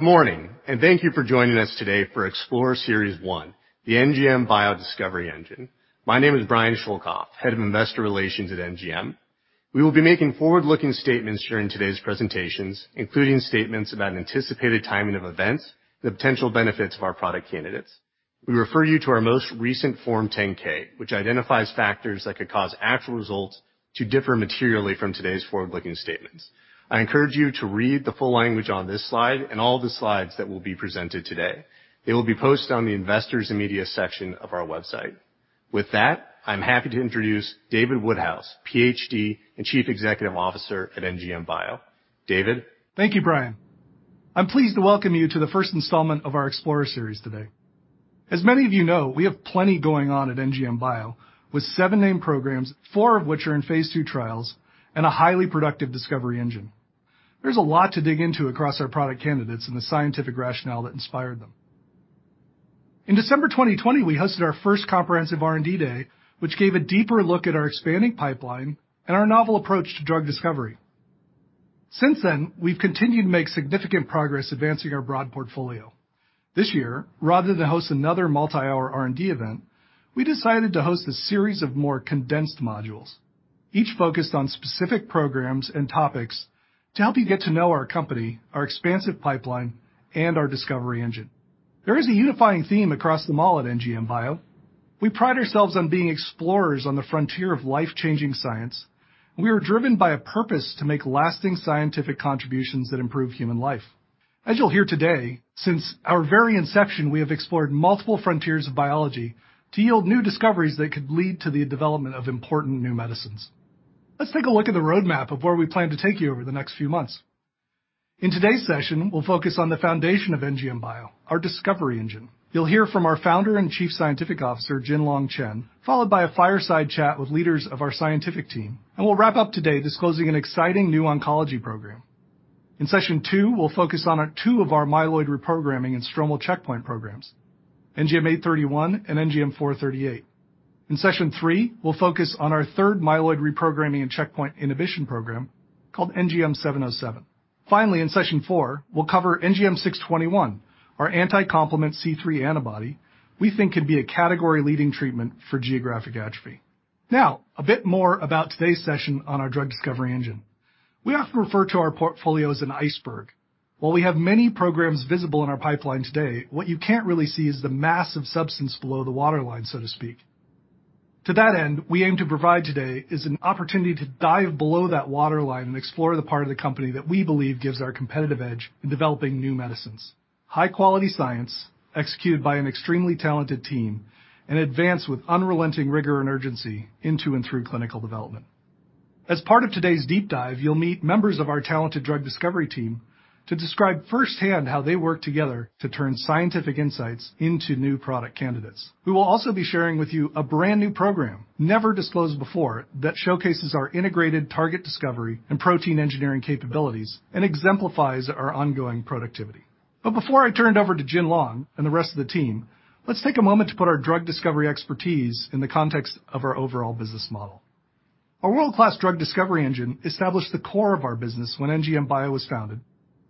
Morning, and thank you for joining us today for Explorer Series One, the NGM Bio Discovery Engine. My name is Brian Schoelkopf, Head of Investor Relations at NGM. We will be making forward-looking statements during today's presentations, including statements about anticipated timing of events, the potential benefits of our product candidates. We refer you to our most recent Form 10-K, which identifies factors that could cause actual results to differ materially from today's forward-looking statements. I encourage you to read the full language on this slide and all the slides that will be presented today. They will be posted on the Investors and Media section of our website. With that, I'm happy to introduce David Woodhouse, Ph.D. and Chief Executive Officer at NGM Bio. David? Thank you, Brian. I'm pleased to welcome you to the first installment of our Explorer Series today. As many of you know, we have plenty going on at NGM Bio with seven named programs, four of which are in Phase II trials and a highly productive discovery engine. There's a lot to dig into across our product candidates and the scientific rationale that inspired them. In December 2020, we hosted our first comprehensive R&D day, which gave a deeper look at our expanding pipeline and our novel approach to drug discovery. Since then, we've continued to make significant progress advancing our broad portfolio. This year, rather than host another multi-hour R&D event, we decided to host a series of more condensed modules, each focused on specific programs and topics to help you get to know our company, our expansive pipeline, and our discovery engine. There is a unifying theme across them all at NGM Bio. We pride ourselves on being explorers on the frontier of life-changing science. We are driven by a purpose to make lasting scientific contributions that improve human life. As you'll hear today, since our very inception, we have explored multiple frontiers of biology to yield new discoveries that could lead to the development of important new medicines. Let's take a look at the roadmap of where we plan to take you over the next few months. In today's session, we'll focus on the foundation of NGM Bio, our discovery engine. You'll hear from our founder and Chief Scientific Officer, Jin-long Chen, followed by a fireside chat with leaders of our scientific team. We'll wrap up today disclosing an exciting new oncology program. In session two, we'll focus on two of our myeloid reprogramming and stromal checkpoint programs, NGM831 and NGM438. In session three, we'll focus on our third myeloid reprogramming and checkpoint inhibition program called NGM707. Finally, in session four, we'll cover NGM621, our anti-complement C3 antibody we think could be a category leading treatment for geographic atrophy. Now, a bit more about today's session on our drug discovery engine. We often refer to our portfolio as an iceberg. While we have many programs visible in our pipeline today, what you can't really see is the massive substance below the waterline, so to speak. To that end, what we aim to provide today is an opportunity to dive below that waterline and explore the part of the company that we believe gives our competitive edge in developing new medicines. High-quality science executed by an extremely talented team and advance with unrelenting rigor and urgency into and through clinical development. As part of today's deep dive, you'll meet members of our talented drug discovery team to describe firsthand how they work together to turn scientific insights into new product candidates. We will also be sharing with you a brand-new program never disclosed before that showcases our integrated target discovery and protein engineering capabilities and exemplifies our ongoing productivity. Before I turn it over to Jin-Long and the rest of the team, let's take a moment to put our drug discovery expertise in the context of our overall business model. Our world-class drug discovery engine established the core of our business when NGM Bio was founded.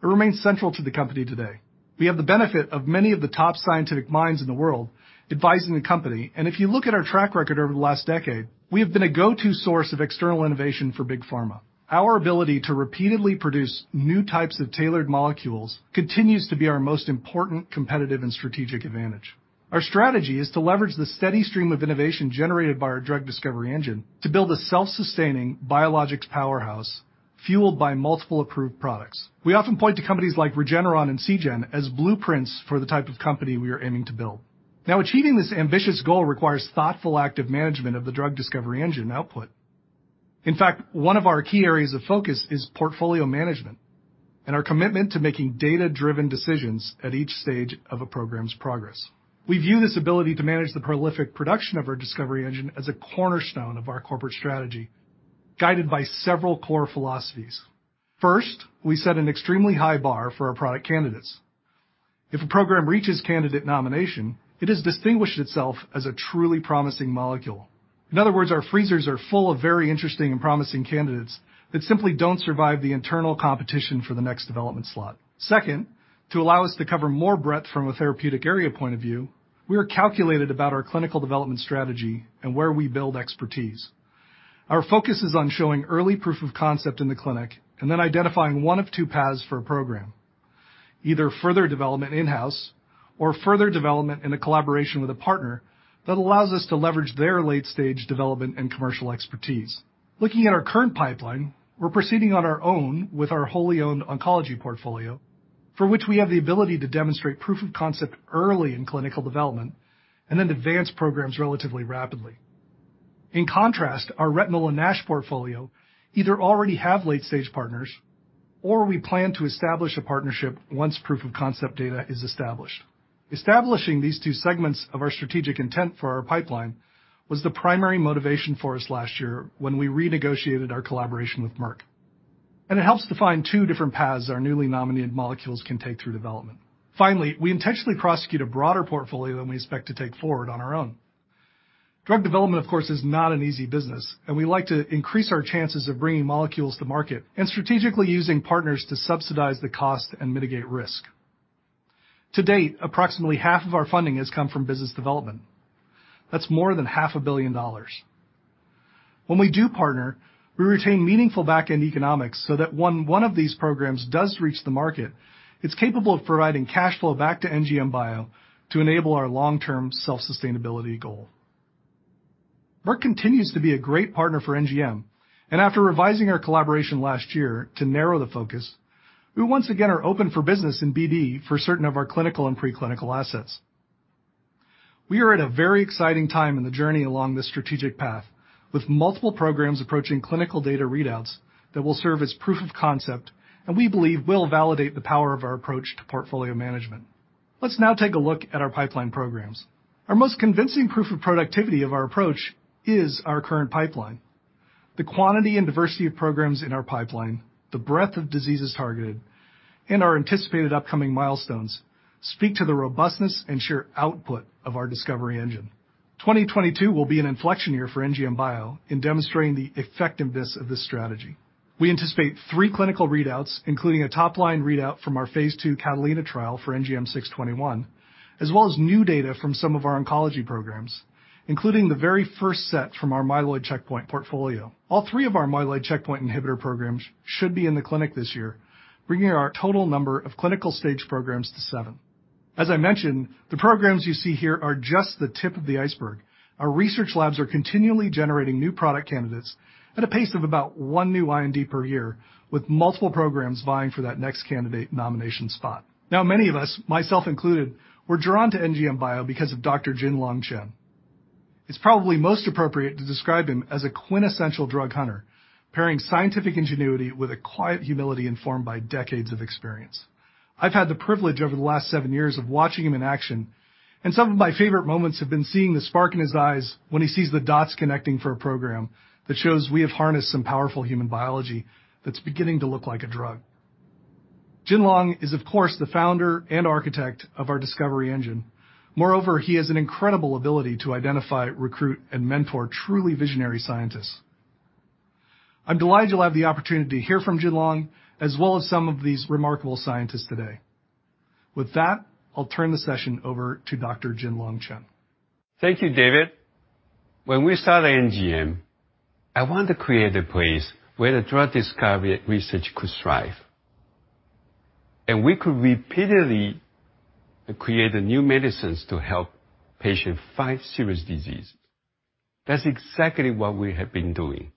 It remains central to the company today. We have the benefit of many of the top scientific minds in the world advising the company. If you look at our track record over the last decade, we have been a go-to source of external innovation for big pharma. Our ability to repeatedly produce new types of tailored molecules continues to be our most important competitive and strategic advantage. Our strategy is to leverage the steady stream of innovation generated by our drug discovery engine to build a self-sustaining biologics powerhouse fueled by multiple approved products. We often point to companies like Regeneron and Seagen as blueprints for the type of company we are aiming to build. Now, achieving this ambitious goal requires thoughtful, active management of the drug discovery engine output. In fact, one of our key areas of focus is portfolio management and our commitment to making data-driven decisions at each stage of a program's progress. We view this ability to manage the prolific production of our discovery engine as a cornerstone of our corporate strategy, guided by several core philosophies. First, we set an extremely high bar for our product candidates. If a program reaches candidate nomination, it has distinguished itself as a truly promising molecule. In other words, our freezers are full of very interesting and promising candidates that simply don't survive the internal competition for the next development slot. Second, to allow us to cover more breadth from a therapeutic area point of view, we are calculated about our clinical development strategy and where we build expertise. Our focus is on showing early proof of concept in the clinic and then identifying one of two paths for a program, either further development in-house or further development in a collaboration with a partner that allows us to leverage their late-stage development and commercial expertise. Looking at our current pipeline, we're proceeding on our own with our wholly owned oncology portfolio, for which we have the ability to demonstrate proof of concept early in clinical development and then advance programs relatively rapidly. In contrast, our retinal and NASH portfolio either already have late-stage partners, or we plan to establish a partnership once proof of concept data is established. Establishing these two segments of our strategic intent for our pipeline was the primary motivation for us last year when we renegotiated our collaboration with Merck. It helps define two different paths our newly nominated molecules can take through development. Finally, we intentionally pursue a broader portfolio than we expect to take forward on our own. Drug development, of course, is not an easy business, and we like to increase our chances of bringing molecules to market and strategically using partners to subsidize the cost and mitigate risk. To date, approximately half of our funding has come from business development. That's more than $500 million. When we do partner, we retain meaningful back-end economics so that when one of these programs does reach the market, it's capable of providing cash flow back to NGM Bio to enable our long-term self-sustainability goal. Merck continues to be a great partner for NGM, and after revising our collaboration last year to narrow the focus, we once again are open for business in BD for certain of our clinical and preclinical assets. We are at a very exciting time in the journey along this strategic path with multiple programs approaching clinical data readouts that will serve as proof of concept and we believe will validate the power of our approach to portfolio management. Let's now take a look at our pipeline programs. Our most convincing proof of productivity of our approach is our current pipeline. The quantity and diversity of programs in our pipeline, the breadth of diseases targeted, and our anticipated upcoming milestones speak to the robustness and sheer output of our discovery engine. 2022 will be an inflection year for NGM Bio in demonstrating the effectiveness of this strategy. We anticipate three clinical readouts, including a top-line readout from our Phase II CATALINA trial for NGM621, as well as new data from some of our oncology programs, including the very first set from our myeloid checkpoint portfolio. All three of our myeloid checkpoint inhibitor programs should be in the clinic this year, bringing our total number of clinical-stage programs to seven. As I mentioned, the programs you see here are just the tip of the iceberg. Our research labs are continually generating new product candidates at a pace of about one new IND per year, with multiple programs vying for that next candidate nomination spot. Now, many of us, myself included, were drawn to NGM Bio because of Dr. Jin-Long Chen. It's probably most appropriate to describe him as a quintessential drug hunter, pairing scientific ingenuity with a quiet humility informed by decades of experience. I've had the privilege over the last seven years of watching him in action, and some of my favorite moments have been seeing the spark in his eyes when he sees the dots connecting for a program that shows we have harnessed some powerful human biology that's beginning to look like a drug. Jin-Long is, of course, the founder and architect of our discovery engine. Moreover, he has an incredible ability to identify, recruit, and mentor truly visionary scientists. I'm delighted you'll have the opportunity to hear from Jin-Long, as well as some of these remarkable scientists today. With that, I'll turn the session over to Dr. Jin-Long Chen. Thank you, David. When we started NGM, I wanted to create a place where the drug discovery research could thrive, and we could repeatedly create new medicines to help patients fight serious diseases. That's exactly what we have been doing.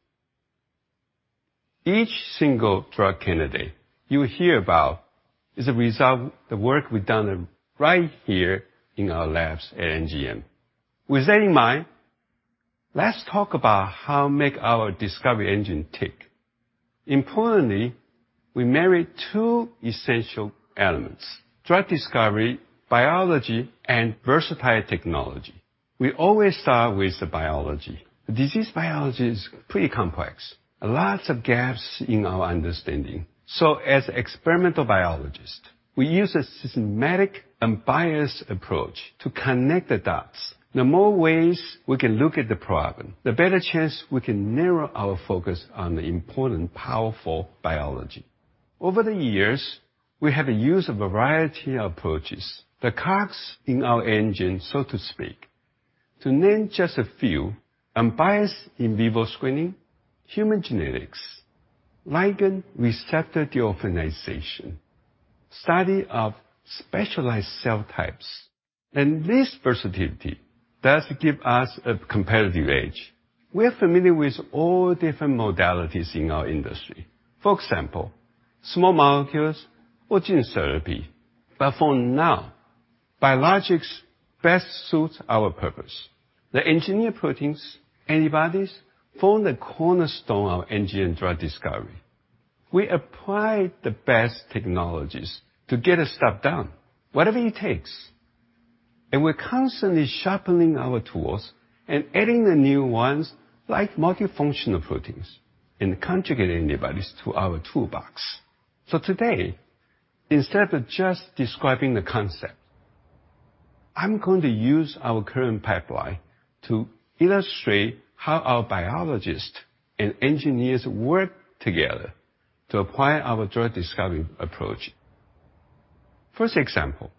Each single drug candidate you hear about is a result of the work we've done right here in our labs at NGM. With that in mind, let's talk about how we make our discovery engine tick. Importantly, we marry two essential elements, drug discovery, biology, and versatile technology. We always start with the biology. Disease biology is pretty complex. Lots of gaps in our understanding. As experimental biologists, we use a systematic unbiased approach to connect the dots. The more ways we can look at the problem, the better chance we can narrow our focus on the important, powerful biology. Over the years, we have used a variety of approaches, the cogs in our engine, so to speak. To name just a few, unbiased in vivo screening, human genetics, ligand-receptor deorphanization, study of specialized cell types, and this versatility does give us a competitive edge. We're familiar with all different modalities in our industry. For example, small molecules or gene therapy. But for now, biologics best suits our purpose. The engineered proteins, antibodies form the cornerstone of NGM's drug discovery. We apply the best technologies to get the stuff done, whatever it takes. We're constantly sharpening our tools and adding the new ones, like multifunctional proteins and conjugated antibodies to our toolbox. Today, instead of just describing the concept, I'm going to use our current pipeline to illustrate how our biologists and engineers work together to apply our drug discovery approach. First example,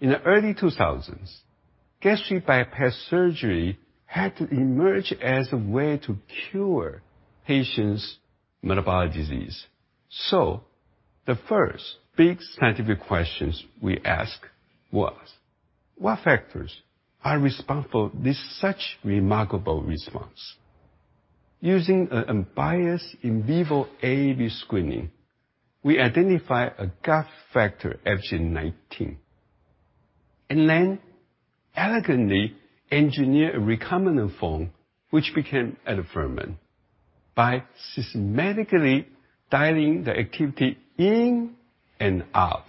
in the early 2000s, gastric bypass surgery had emerged as a way to cure patients' metabolic disease. The first big scientific questions we ask was: What factors are responsible for this such remarkable response? Using an unbiased in vivo AAV screening, we identify a gut factor, FGF19, and then elegantly engineer a recombinant form, which became aldafermin, by systematically dialing the activity in and out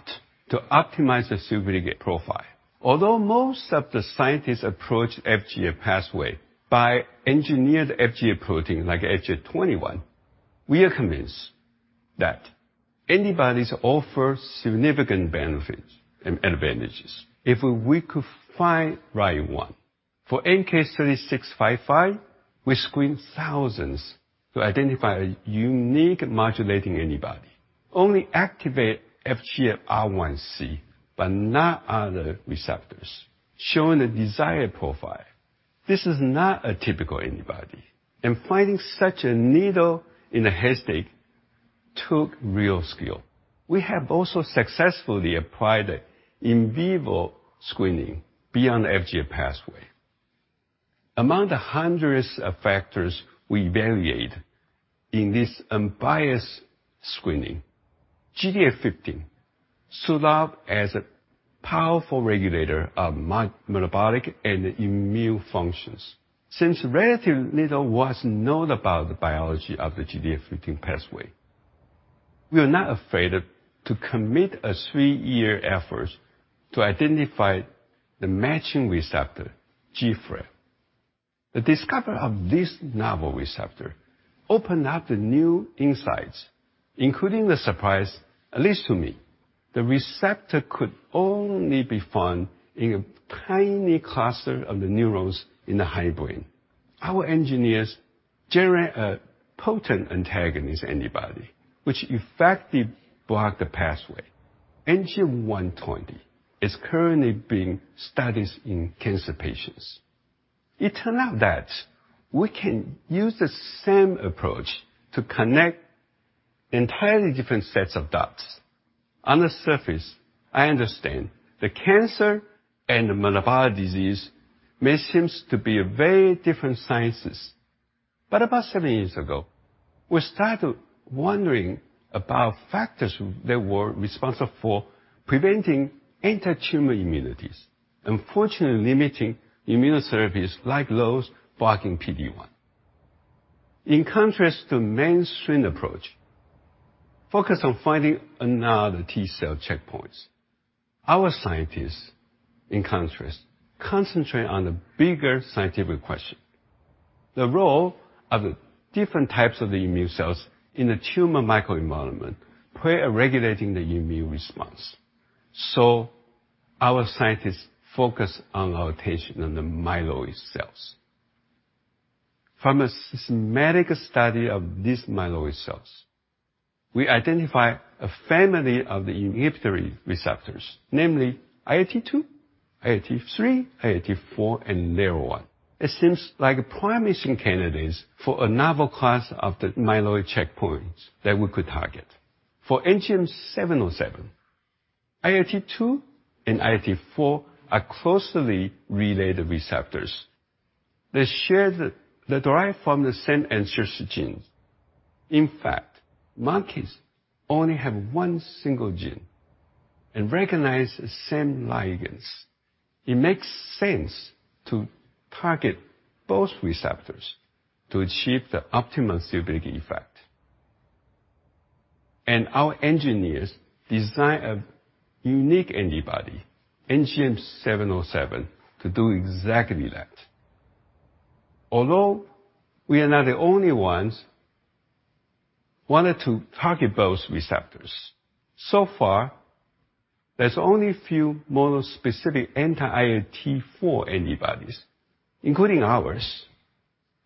to optimize the suitability profile. Although most of the scientists approach FGF pathway by engineered FGF protein like FGF21, we are convinced that antibodies offer significant benefits and advantages if we could find right one. For MK-3655, we screen thousands to identify a unique modulating antibody. Only activate FGFR1C but not other receptors, showing the desired profile. This is not a typical antibody, and finding such a needle in a haystack took real skill. We have also successfully applied in vivo screening beyond FGF pathway. Among the hundreds of factors we evaluate in this unbiased screening, GDF15 stood out as a powerful regulator of metabolic and immune functions. Since relatively little was known about the biology of the GDF15 pathway, we are not afraid to commit a three-year effort to identify the matching receptor, GFRAL. The discovery of this novel receptor opened up the new insights, including the surprise, at least to me. The receptor could only be found in a tiny cluster of the neurons in the hindbrain. Our engineers generate a potent antagonist antibody, which effectively block the pathway. NGM120 is currently being studied in cancer patients. It turned out that we can use the same approach to connect entirely different sets of dots. On the surface, I understand that cancer and metabolic disease may seem to be very different sciences. About seven years ago, we started wondering about factors that were responsible for preventing antitumor immunities, unfortunately limiting immunotherapies like those blocking PD-1. In contrast to mainstream approach focusing on finding another T-cell checkpoints, our scientists, in contrast, concentrate on the bigger scientific question, the role of the different types of the immune cells in the tumor microenvironment play in regulating the immune response. Our scientists focus our attention on the myeloid cells. From a systematic study of these myeloid cells, we identify a family of the inhibitory receptors, namely ILT2, ILT3, ILT4, and LAIR-1. It seems like promising candidates for a novel class of the myeloid checkpoints that we could target. For NGM707, ILT2 and ILT4 are closely related receptors. They're derived from the same ancestor genes. In fact, monkeys only have one single gene and recognize the same ligands. It makes sense to target both receptors to achieve the optimal therapeutic effect. Our engineers design a unique antibody, NGM707, to do exactly that. Although we are not the only ones who wanted to target both receptors, so far there's only few mono-specific anti-ILT4 antibodies, including ours.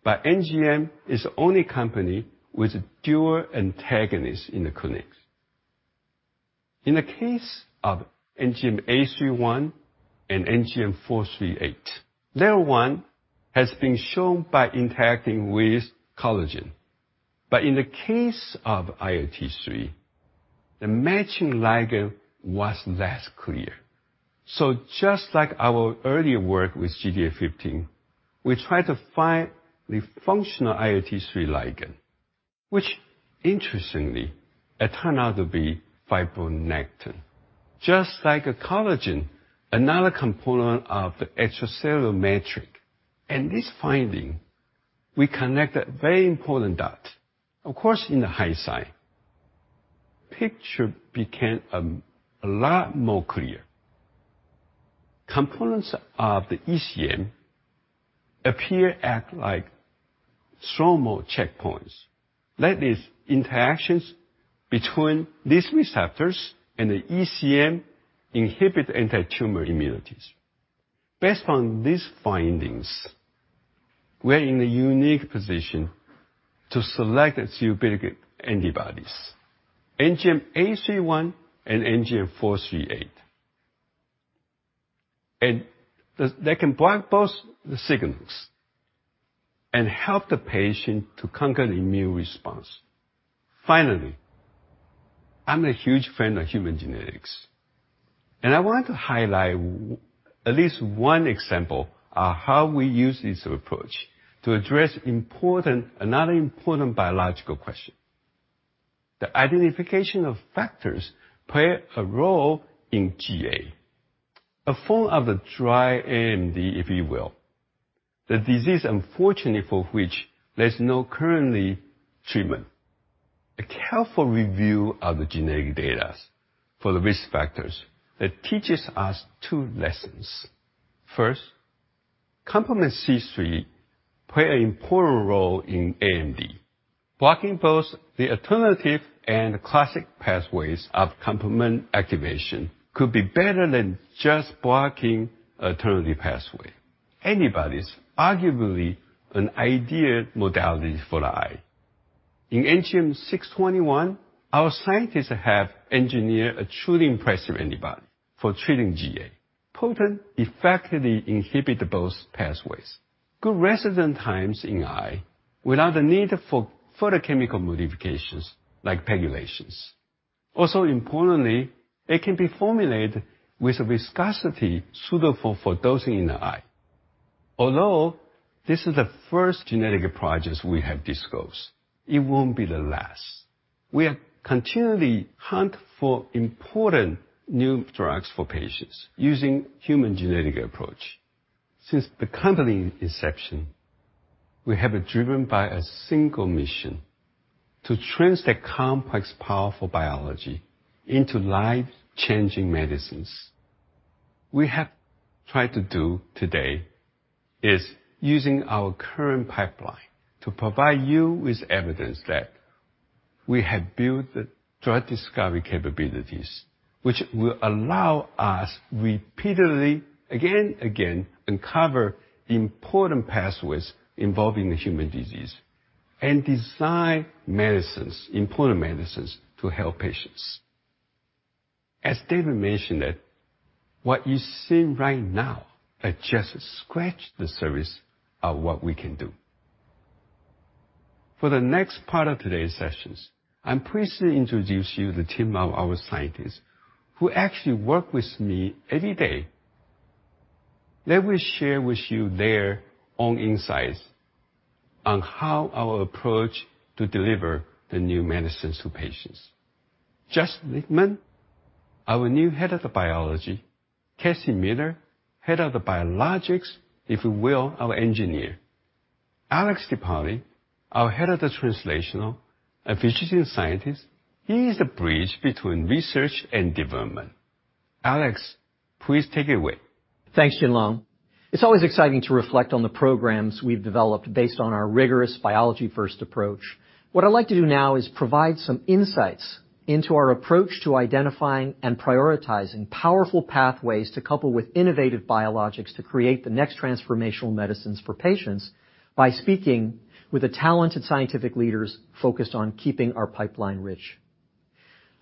NGM is the only company with dual antagonists in the clinics. In the case of NGM831 and NGM438, LAIR1 has been shown to interact with collagen. In the case of ILT3, the matching ligand was less clear. Just like our earlier work with GDF15, we tried to find the functional ILT3 ligand, which, interestingly, turned out to be fibronectin. Just like collagen, another component of the extracellular matrix. This finding, we connect a very important dot. Of course, in the big picture became a lot more clear. Components of the ECM appear to act like stromal checkpoints. That is interactions between these receptors and the ECM inhibit antitumor immunity. Based on these findings, we're in a unique position to select therapeutic antibodies, NGM831 and NGM438. They can block both the signals and help the patient to conquer the immune response. Finally, I'm a huge fan of human genetics, and I want to highlight at least one example of how we use this approach to address another important biological question. The identification of factors play a role in GA. A form of the dry AMD, if you will. The disease, unfortunately for which there's no current treatment. A careful review of the genetic data for the risk factors teaches us two lessons. First, complement C3 plays an important role in AMD. Blocking both the alternative and classic pathways of complement activation could be better than just blocking alternative pathway. Antibodies are arguably an ideal modality for the eye. In NGM621, our scientists have engineered a truly impressive antibody for treating GA. It potently and effectively inhibits both pathways. Good residence times in eye without the need for physicochemical modifications like PEGylation. Also importantly, it can be formulated with a viscosity suitable for dosing in the eye. Although this is the first genetics project we have disclosed, it won't be the last. We are continually hunting for important new drugs for patients using human genetics approach. Since the company's inception, we have been driven by a single mission to translate complex, powerful biology into life-changing medicines. we have tried to do today is using our current pipeline to provide you with evidence that we have built the drug discovery capabilities, which will allow us repeatedly, again and again, to uncover important pathways involving human disease and design important medicines to help patients. As David mentioned, what you see right now just scratches the surface of what we can do. For the next part of today's session, I'm pleased to introduce you to the team of our scientists who actually work with me every day. They will share with you their own insights on how our approach to deliver new medicines to patients. Josh Lichtman, our new Head of Biology. Kathy Miller, Head of Biologics. If you will, our engineer. Alex DePaoli, our Head of Translational, a physician scientist. He is the bridge between research and development. Alex, please take it away. Thanks, Jin-Long. It's always exciting to reflect on the programs we've developed based on our rigorous biology-first approach. What I'd like to do now is provide some insights into our approach to identifying and prioritizing powerful pathways to couple with innovative biologics to create the next transformational medicines for patients by speaking with the talented scientific leaders focused on keeping our pipeline rich.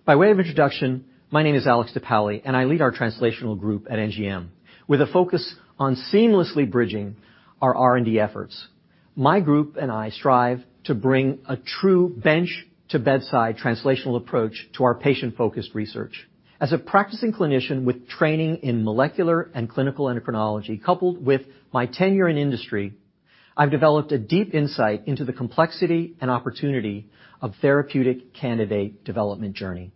By way of introduction, my name is Alex DePaoli, and I lead our translational group at NGM with a focus on seamlessly bridging our R&D efforts. My group and I strive to bring a true bench-to-bedside translational approach to our patient-focused research. As a practicing clinician with training in molecular and clinical endocrinology, coupled with my tenure in industry, I've developed a deep insight into the complexity and opportunity of therapeutic candidate development journey.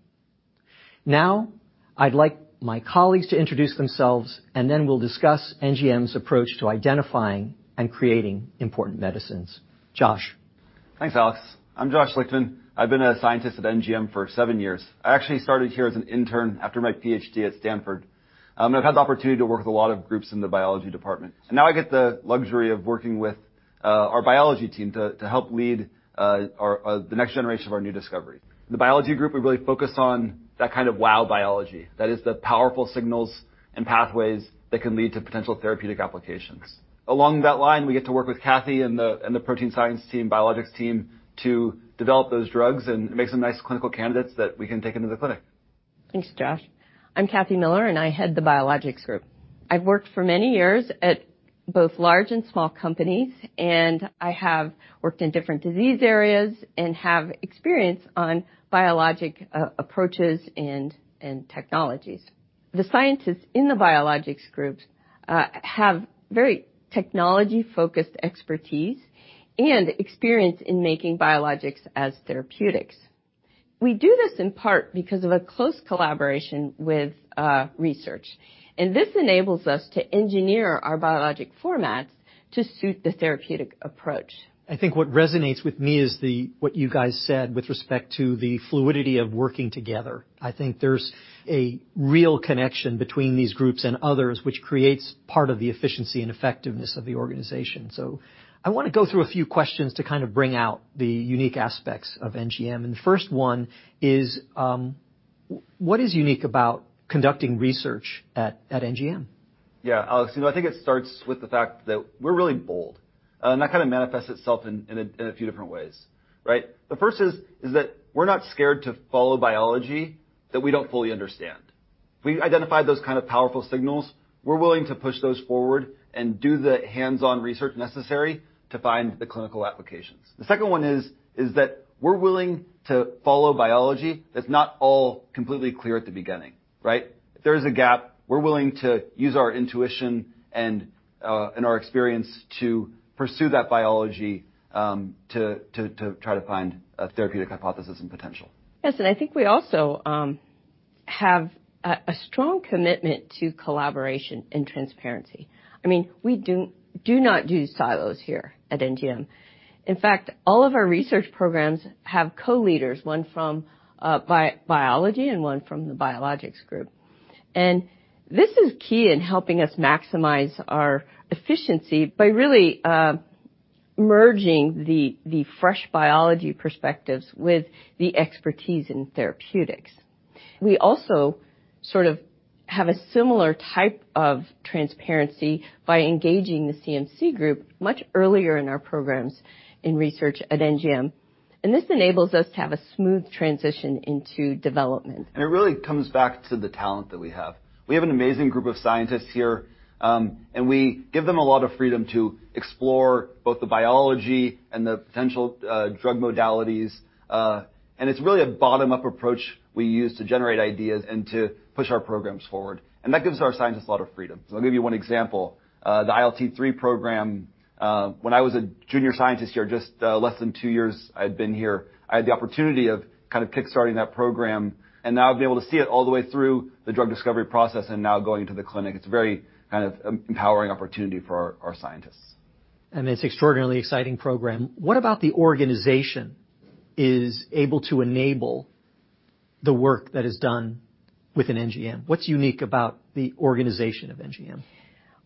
Now, I'd like my colleagues to introduce themselves, and then we'll discuss NGM's approach to identifying and creating important medicines. Josh. Thanks, Alex. I'm Josh Lichtman. I've been a scientist at NGM for seven years. I actually started here as an intern after my Ph.D at Stanford. I've had the opportunity to work with a lot of groups in the biology department. Now I get the luxury of working with our biology team to help lead our the next generation of our new discovery. The biology group, we really focus on that kind of wow biology. That is the powerful signals and pathways that can lead to potential therapeutic applications. Along that line, we get to work with Kathy and the protein science team, biologics team to develop those drugs and make some nice clinical candidates that we can take into the clinic. Thanks, Josh. I'm Kathy Miller, and I head the Biologics group. I've worked for many years at both large and small companies, and I have worked in different disease areas and have experience on biologic approaches and technologies. The scientists in the Biologics groups have very technology-focused expertise and experience in making biologics as therapeutics. We do this in part because of a close collaboration with research, and this enables us to engineer our biologic formats to suit the therapeutic approach. I think what resonates with me is what you guys said with respect to the fluidity of working together. I think there's a real connection between these groups and others, which creates part of the efficiency and effectiveness of the organization. I wanna go through a few questions to kind of bring out the unique aspects of NGM, and the first one is, what is unique about conducting research at NGM? Yeah, Alex, you know, I think it starts with the fact that we're really bold. That kind of manifests itself in a few different ways, right? The first is that we're not scared to follow biology that we don't fully understand. If we identify those kind of powerful signals, we're willing to push those forward and do the hands-on research necessary to find the clinical applications. The second one is that we're willing to follow biology that's not all completely clear at the beginning, right? If there is a gap, we're willing to use our intuition and our experience to pursue that biology to try to find a therapeutic hypothesis and potential. I think we also have a strong commitment to collaboration and transparency. I mean, we do not do silos here at NGM. In fact, all of our research programs have co-leaders, one from biology and one from the biologics group. This is key in helping us maximize our efficiency by really merging the fresh biology perspectives with the expertise in therapeutics. We also have a similar type of transparency by engaging the CMC group much earlier in our programs in research at NGM. This enables us to have a smooth transition into development. It really comes back to the talent that we have. We have an amazing group of scientists here, and we give them a lot of freedom to explore both the biology and the potential drug modalities. It's really a bottom-up approach we use to generate ideas and to push our programs forward. That gives our scientists a lot of freedom. I'll give you one example. The ILT3 program, when I was a junior scientist here, just less than two years I'd been here, I had the opportunity of kind of kick-starting that program, and now I've been able to see it all the way through the drug discovery process and now going to the clinic. It's a very kind of empowering opportunity for our scientists. It's extraordinarily exciting program. What about the organization is able to enable the work that is done within NGM? What's unique about the organization of NGM?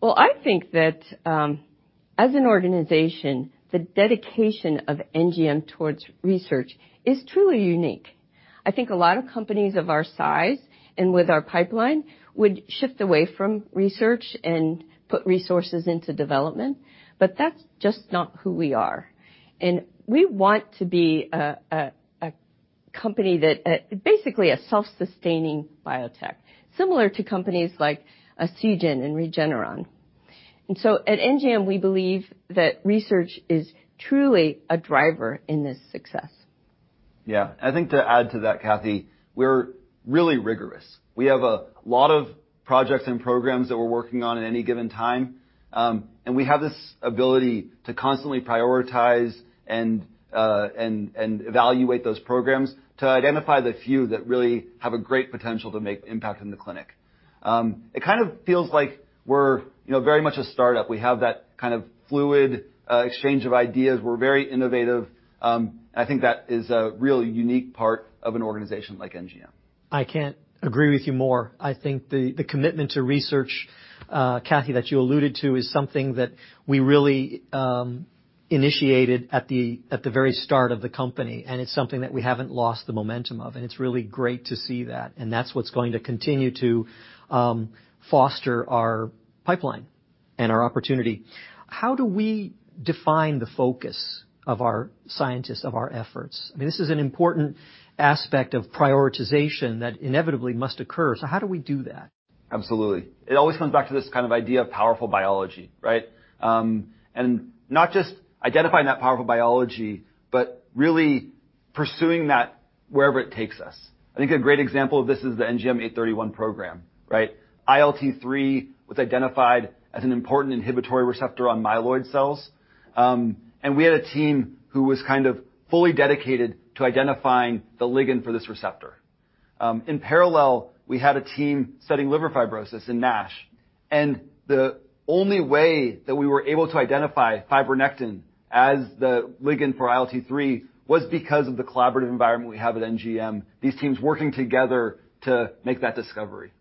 Well, I think that as an organization, the dedication of NGM towards research is truly unique. I think a lot of companies of our size and with our pipeline would shift away from research and put resources into development, but that's just not who we are. We want to be a company that basically a self-sustaining biotech, similar to companies like Seagen and Regeneron. At NGM, we believe that research is truly a driver in this success. Yeah. I think to add to that, Kathy, we're really rigorous. We have a lot of projects and programs that we're working on at any given time, and we have this ability to constantly prioritize and evaluate those programs to identify the few that really have a great potential to make impact in the clinic. It kind of feels like we're very much a startup. We have that kind of fluid exchange of ideas. We're very innovative, and I think that is a really unique part of an organization like NGM. I can't agree with you more. I think the commitment to research, Kathy, that you alluded to is something that we really initiated at the very start of the company, and it's something that we haven't lost the momentum of, and it's really great to see that. That's what's going to continue to foster our pipeline and our opportunity. How do we define the focus of our scientists, of our efforts? I mean, this is an important aspect of prioritization that inevitably must occur. How do we do that? Absolutely. It always comes back to this kind of idea of powerful biology, right? Not just identifying that powerful biology, but really pursuing that wherever it takes us. I think a great example of this is the NGM831 program, right? ILT3 was identified as an important inhibitory receptor on myeloid cells. We had a team who was kind of fully dedicated to identifying the ligand for this receptor. In parallel, we had a team studying liver fibrosis in NASH, and the only way that we were able to identify fibronectin as the ligand for ILT3 was because of the collaborative environment we have at NGM, these teams working together to make that discovery.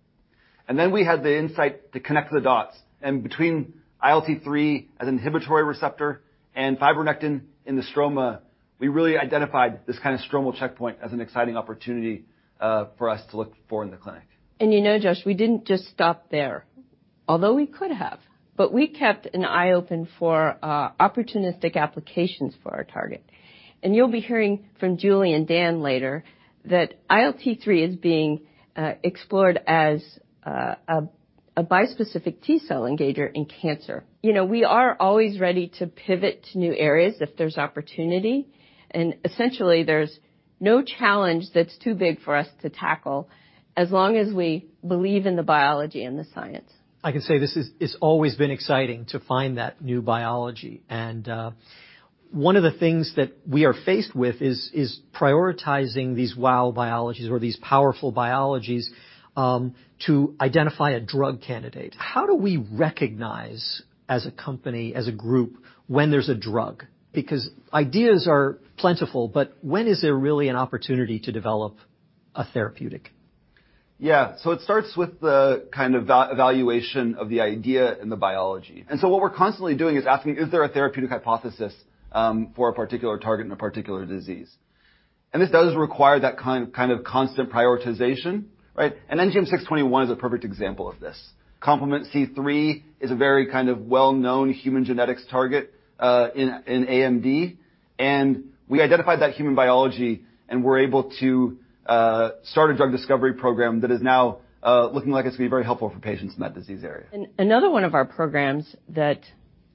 We had the insight to connect the dots, and between ILT3 as an inhibitory receptor and fibronectin in the stroma, we really identified this kind of stromal checkpoint as an exciting opportunity for us to look for in the clinic. You know, Josh, we didn't just stop there, although we could have, but we kept an eye open for opportunistic applications for our target. You'll be hearing from Julie and Dan later that ILT3 is being explored as a bispecific T-cell engager in cancer. We are always ready to pivot to new areas if there's opportunity, and essentially there's no challenge that's too big for us to tackle as long as we believe in the biology and the science. I can say this is. It's always been exciting to find that new biology. One of the things that we are faced with is prioritizing these wow biologies or these powerful biologies to identify a drug candidate. How do we recognize as a company, as a group, when there's a drug? Because ideas are plentiful, but when is there really an opportunity to develop a therapeutic? Yeah. It starts with the kind of evaluation of the idea and the biology. What we're constantly doing is asking, "Is there a therapeutic hypothesis for a particular target and a particular disease?" This does require that kind of constant prioritization, right? NGM621 is a perfect example of this. complement C3 is a very kind of well-known human genetics target in AMD, and we identified that human biology and were able to start a drug discovery program that is now looking like it's gonna be very helpful for patients in that disease area. Another one of our programs that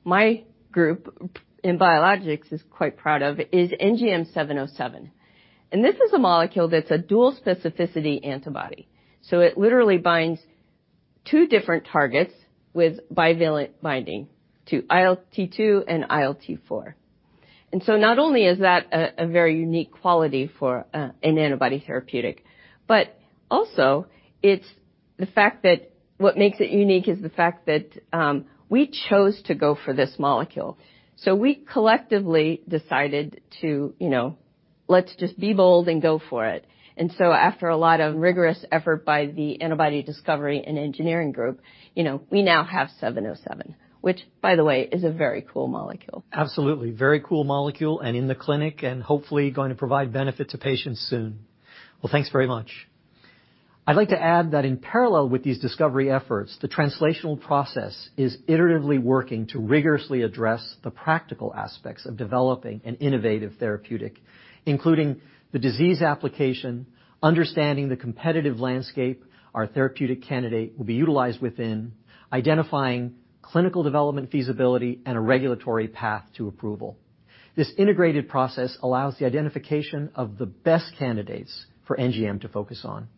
my group in biologics is quite proud of is NGM707, and this is a molecule that's a dual specificity antibody. It literally binds two different targets with bivalent binding to ILT2 and ILT4. Not only is that a very unique quality for an antibody therapeutic, but also it's the fact that what makes it unique is the fact that we chose to go for this molecule. We collectively decided to, you know, let's just be bold and go for it. After a lot of rigorous effort by the antibody discovery and engineering group, we now have NGM707, which by the way, is a very cool molecule. Absolutely, very cool molecule and in the clinic and hopefully going to provide benefit to patients soon. Well, thanks very much. I'd like to add that in parallel with these discovery efforts, the translational process is iteratively working to rigorously address the practical aspects of developing an innovative therapeutic, including the disease application, understanding the competitive landscape our therapeutic candidate will be utilized within, identifying clinical development feasibility, and a regulatory path to approval. This integrated process allows the identification of the best candidates for NGM to focus on.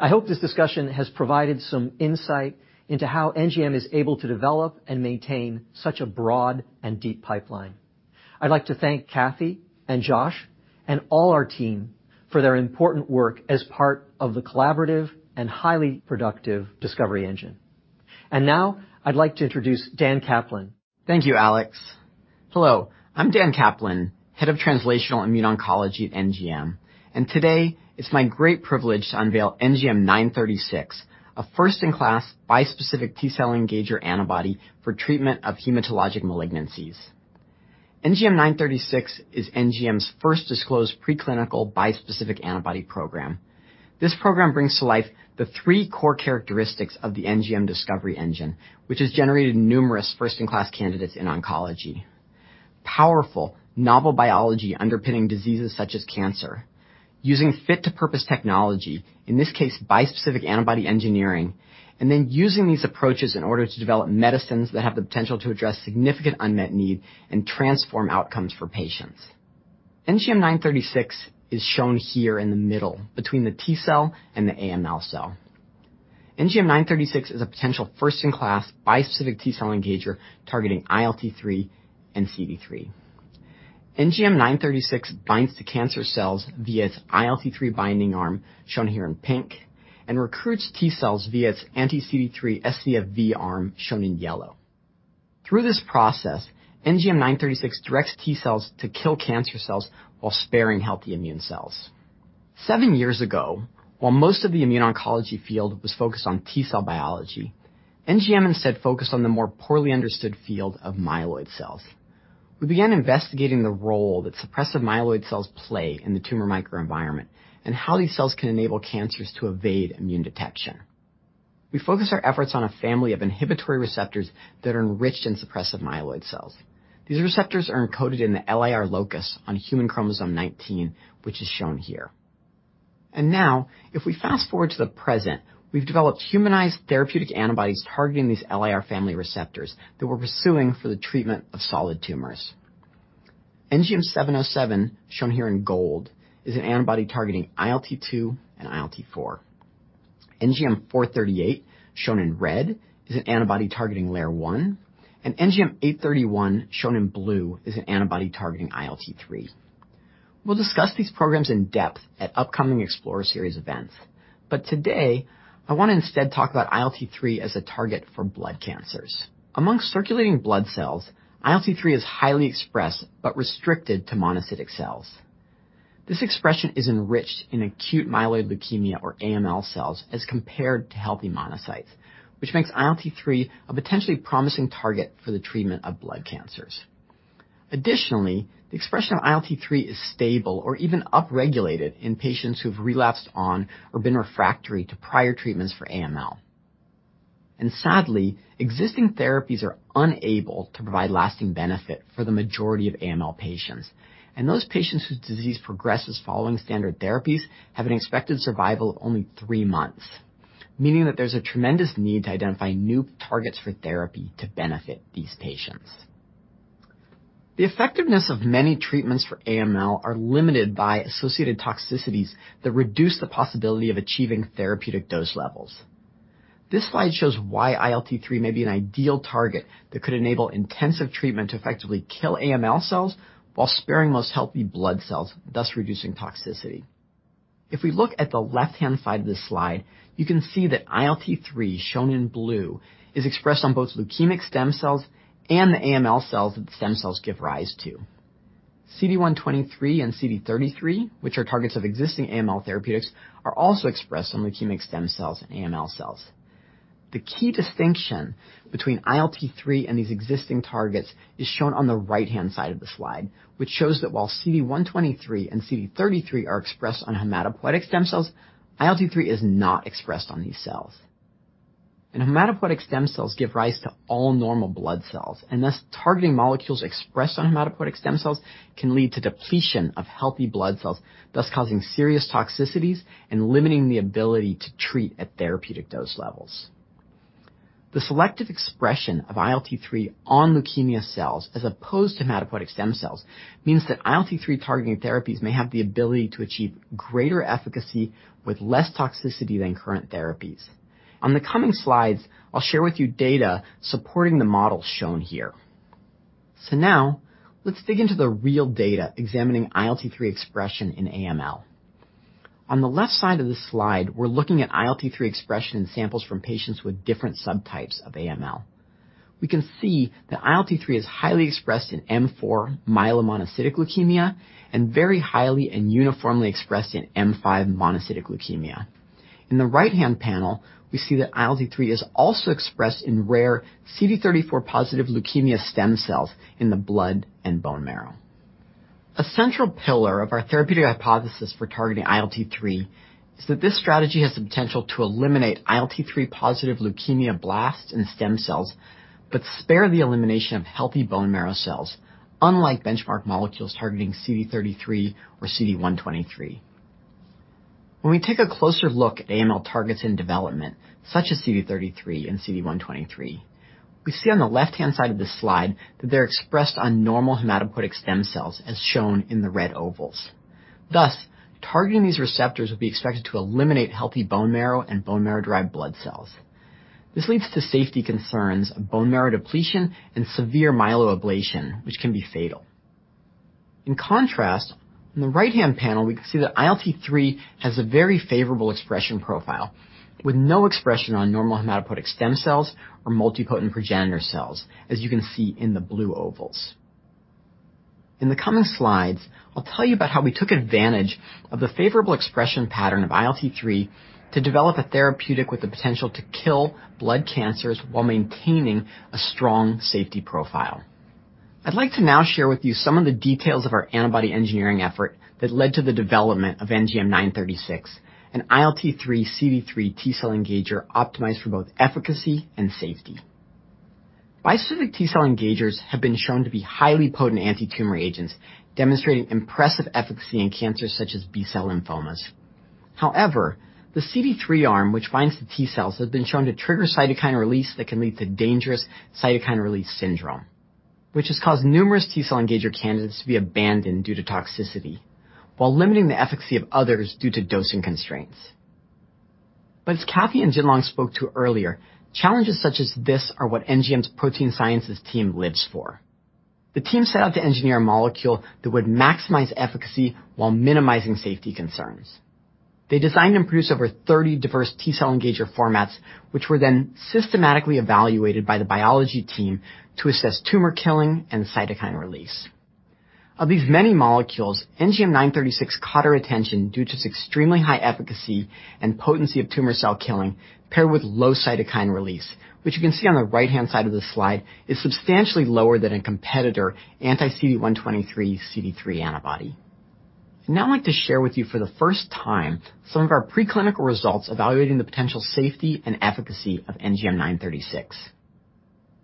I hope this discussion has provided some insight into how NGM is able to develop and maintain such a broad and deep pipeline. I'd like to thank Kathy and Josh and all our team for their important work as part of the collaborative and highly productive discovery engine. Now I'd like to introduce Dan Kaplan. Thank you, Alex. Hello, I'm Dan Kaplan, Head of Translational Immune Oncology at NGM, and today it's my great privilege to unveil NGM936, a first-in-class bispecific T-cell engager antibody for treatment of hematologic malignancies. NGM936 is NGM's first disclosed preclinical bispecific antibody program. This program brings to life the three core characteristics of the NGM discovery engine, which has generated numerous first-in-class candidates in oncology. Powerful, novel biology underpinning diseases such as cancer, using fit-to-purpose technology, in this case bispecific antibody engineering, and then using these approaches in order to develop medicines that have the potential to address significant unmet need and transform outcomes for patients. NGM936 is shown here in the middle between the T-cell and the AML cell. NGM936 is a potential first-in-class bispecific T-cell engager targeting ILT3 and CD3. NGM936 binds to cancer cells via its ILT3 binding arm, shown here in pink, and recruits T-cells via its anti-CD3 scFv arm, shown in yellow. Through this process, NGM936 directs T-cells to kill cancer cells while sparing healthy immune cells. Seven years ago, while most of the immune oncology field was focused on T-cell biology, NGM instead focused on the more poorly understood field of myeloid cells. We began investigating the role that suppressive myeloid cells play in the tumor microenvironment and how these cells can enable cancers to evade immune detection. We focused our efforts on a family of inhibitory receptors that are enriched in suppressive myeloid cells. These receptors are encoded in the LIR locus on human chromosome 19, which is shown here. Now, if we fast-forward to the present, we've developed humanized therapeutic antibodies targeting these LIR family receptors that we're pursuing for the treatment of solid tumors. NGM707, shown here in gold, is an antibody targeting ILT2 and ILT4. NGM438, shown in red, is an antibody targeting LAIR-1. NGM831, shown in blue, is an antibody targeting ILT3. We'll discuss these programs in depth at upcoming Explorer Series events, but today I wanna instead talk about ILT3 as a target for blood cancers. Among circulating blood cells, ILT3 is highly expressed but restricted to monocytic cells. This expression is enriched in acute myeloid leukemia, or AML cells, as compared to healthy monocytes, which makes ILT3 a potentially promising target for the treatment of blood cancers. Additionally, the expression of ILT3 is stable or even upregulated in patients who've relapsed on or been refractory to prior treatments for AML. Sadly, existing therapies are unable to provide lasting benefit for the majority of AML patients. Those patients whose disease progresses following standard therapies have an expected survival of only three months, meaning that there's a tremendous need to identify new targets for therapy to benefit these patients. The effectiveness of many treatments for AML are limited by associated toxicities that reduce the possibility of achieving therapeutic dose levels. This slide shows why ILT3 may be an ideal target that could enable intensive treatment to effectively kill AML cells while sparing most healthy blood cells, thus reducing toxicity. If we look at the left-hand side of this slide, you can see that ILT3, shown in blue, is expressed on both leukemic stem cells and the AML cells that the stem cells give rise to. CD123 and CD33, which are targets of existing AML therapeutics, are also expressed on leukemic stem cells and AML cells. The key distinction between ILT3 and these existing targets is shown on the right-hand side of the slide, which shows that while CD123 and CD33 are expressed on hematopoietic stem cells, ILT3 is not expressed on these cells. Hematopoietic stem cells give rise to all normal blood cells, and thus targeting molecules expressed on hematopoietic stem cells can lead to depletion of healthy blood cells, thus causing serious toxicities and limiting the ability to treat at therapeutic dose levels. The selective expression of ILT3 on leukemia cells as opposed to hematopoietic stem cells means that ILT3 targeting therapies may have the ability to achieve greater efficacy with less toxicity than current therapies. On the coming slides, I'll share with you data supporting the model shown here. Now let's dig into the real data examining ILT3 expression in AML. On the left side of the slide, we're looking at ILT3 expression in samples from patients with different subtypes of AML. We can see that ILT3 is highly expressed in M4 myelomonocytic leukemia and very highly and uniformly expressed in M5 monocytic leukemia. In the right-hand panel, we see that ILT3 is also expressed in rare CD34 positive leukemia stem cells in the blood and bone marrow. A central pillar of our therapeutic hypothesis for targeting ILT3 is that this strategy has the potential to eliminate ILT3 positive leukemia blasts and stem cells, but spare the elimination of healthy bone marrow cells, unlike benchmark molecules targeting CD33 or CD123. When we take a closer look at AML targets in development, such as CD33 and CD123, we see on the left-hand side of this slide that they're expressed on normal hematopoietic stem cells, as shown in the red ovals. Thus, targeting these receptors would be expected to eliminate healthy bone marrow and bone marrow-derived blood cells. This leads to safety concerns of bone marrow depletion and severe myeloablation, which can be fatal. In contrast, in the right-hand panel, we can see that ILT3 has a very favorable expression profile with no expression on normal hematopoietic stem cells or multipotent progenitor cells, as you can see in the blue ovals. In the coming slides, I'll tell you about how we took advantage of the favorable expression pattern of ILT3 to develop a therapeutic with the potential to kill blood cancers while maintaining a strong safety profile. I'd like to now share with you some of the details of our antibody engineering effort that led to the development of NGM936, an ILT3 CD3 T-cell engager optimized for both efficacy and safety. Bispecific T-cell engagers have been shown to be highly potent antitumor agents, demonstrating impressive efficacy in cancers such as B-cell lymphomas. However, the CD3 arm, which binds the T-cells, has been shown to trigger cytokine release that can lead to dangerous cytokine release syndrome, which has caused numerous T-cell engager candidates to be abandoned due to toxicity while limiting the efficacy of others due to dosing constraints. As Kathy and Jin-Long spoke to earlier, challenges such as this are what NGM's protein sciences team lives for. The team set out to engineer a molecule that would maximize efficacy while minimizing safety concerns. They designed and produced over 30 diverse T-cell engager formats, which were then systematically evaluated by the biology team to assess tumor killing and cytokine release. Of these many molecules, NGM936 caught our attention due to its extremely high efficacy and potency of tumor cell killing paired with low cytokine release, which you can see on the right-hand side of this slide is substantially lower than a competitor anti-CD123/CD3 antibody. I'd now like to share with you for the first time some of our preclinical results evaluating the potential safety and efficacy of NGM936.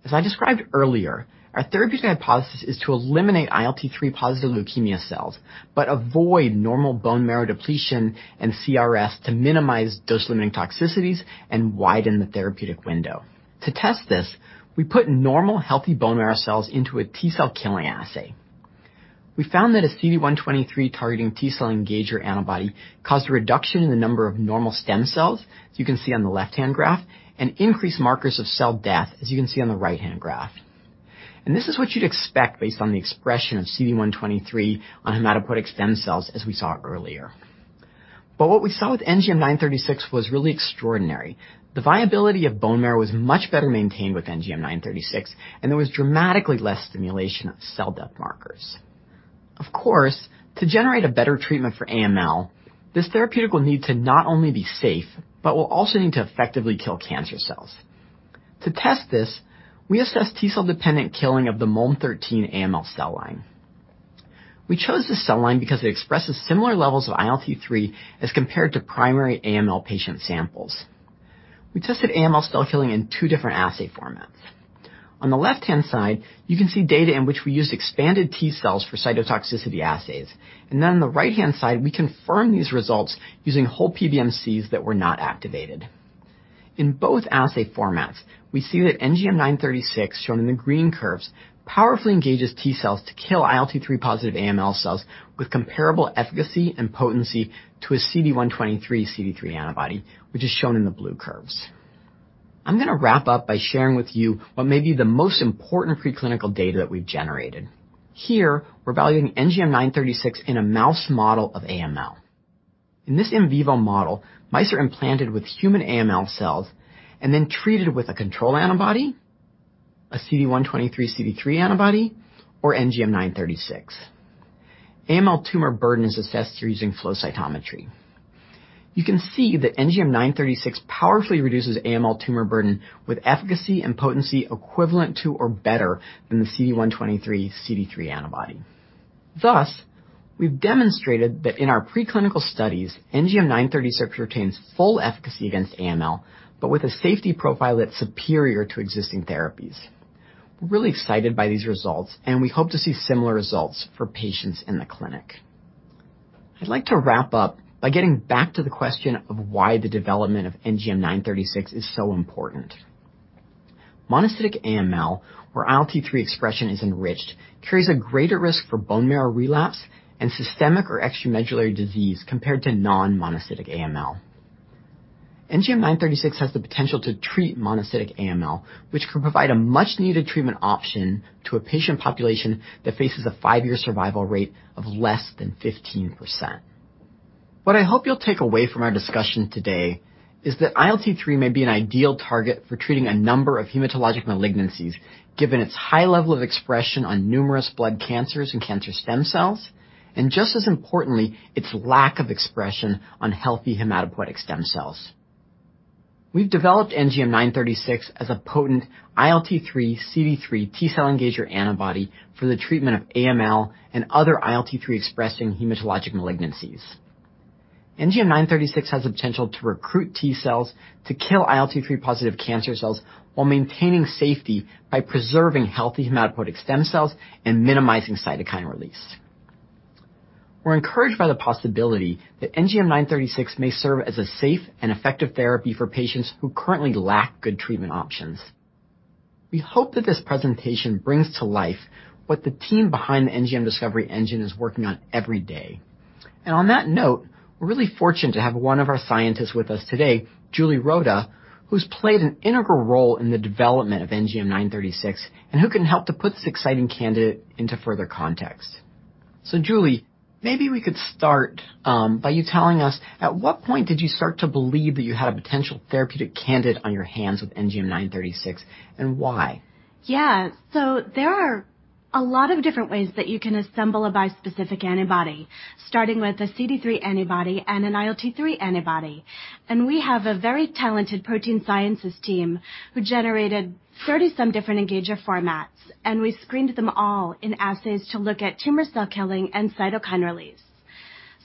As I described earlier, our therapeutic hypothesis is to eliminate ILT3-positive leukemia cells but avoid normal bone marrow depletion and CRS to minimize dose-limiting toxicities and widen the therapeutic window. To test this, we put normal healthy bone marrow cells into a T-cell killing assay. We found that a CD123 targeting T-cell engager antibody caused a reduction in the number of normal stem cells, as you can see on the left-hand graph, and increased markers of cell death, as you can see on the right-hand graph. This is what you'd expect based on the expression of CD123 on hematopoietic stem cells, as we saw earlier. What we saw with NGM936 was really extraordinary. The viability of bone marrow was much better maintained with NGM936, and there was dramatically less stimulation of cell death markers. Of course, to generate a better treatment for AML, this therapeutic will need to not only be safe but will also need to effectively kill cancer cells. To test this, we assessed T-cell-dependent killing of the MOLM13 AML cell line. We chose this cell line because it expresses similar levels of ILT3 as compared to primary AML patient samples. We tested AML cell killing in two different assay formats. On the left-hand side, you can see data in which we used expanded T-cells for cytotoxicity assays. On the right-hand side, we confirmed these results using whole PBMCs that were not activated. In both assay formats, we see that NGM936, shown in the green curves, powerfully engages T-cells to kill ILT3 positive AML cells with comparable efficacy and potency to a CD123 CD3 antibody, which is shown in the blue curves. I'm gonna wrap up by sharing with you what may be the most important preclinical data that we've generated. Here, we're evaluating NGM936 in a mouse model of AML. In this in vivo model, mice are implanted with human AML cells and then treated with a control antibody, a CD123 CD3 antibody, or NGM936. AML tumor burden is assessed through using flow cytometry. You can see that NGM936 powerfully reduces AML tumor burden with efficacy and potency equivalent to or better than the CD123 CD3 antibody. Thus, we've demonstrated that in our preclinical studies, NGM936 retains full efficacy against AML, but with a safety profile that's superior to existing therapies. We're really excited by these results, and we hope to see similar results for patients in the clinic. I'd like to wrap up by getting back to the question of why the development of NGM936 is so important. Monocytic AML, where ILT3 expression is enriched, carries a greater risk for bone marrow relapse and systemic or extramedullary disease compared to non-monocytic AML. NGM936 has the potential to treat monocytic AML, which can provide a much-needed treatment option to a patient population that faces a five-year survival rate of less than 15%. What I hope you'll take away from our discussion today is that ILT3 may be an ideal target for treating a number of hematologic malignancies, given its high level of expression on numerous blood cancers and cancer stem cells, and just as importantly, its lack of expression on healthy hematopoietic stem cells. We've developed NGM936 as a potent ILT3 CD3 T-cell engager antibody for the treatment of AML and other ILT3-expressing hematologic malignancies. NGM936 has the potential to recruit T-cells to kill ILT3 positive cancer cells while maintaining safety by preserving healthy hematopoietic stem cells and minimizing cytokine release. We're encouraged by the possibility that NGM936 may serve as a safe and effective therapy for patients who currently lack good treatment options. We hope that this presentation brings to life what the team behind the NGM discovery engine is working on every day. On that note, we're really fortunate to have one of our scientists with us today, Julie Roda, who's played an integral role in the development of NGM936, and who can help to put this exciting candidate into further context. Julie, maybe we could start by you telling us, at what point did you start to believe that you had a potential therapeutic candidate on your hands with NGM936, and why? Yeah. There are a lot of different ways that you can assemble a bispecific antibody, starting with a CD3 antibody and an ILT3 antibody. We have a very talented protein sciences team who generated 30-some different engager formats, and we screened them all in assays to look at tumor cell killing and cytokine release.